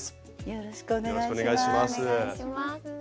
よろしくお願いします。